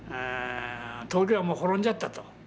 東京はもう滅んじゃったと。